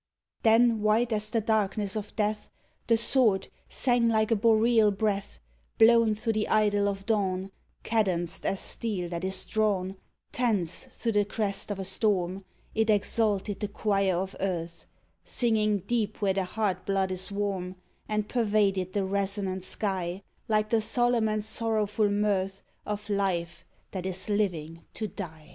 Then white as the darkness of death The sword Sang like a boreal breath Blown thro' the idyll of dawn, Cadenced as steel that is drawn Tense thro' the crest of a storm, It exalted the choir of earth, Singing deep where the heart blood is warm, And pervaded the resonant sky Like the solemn and sorrowful mirth Of life that is living to die.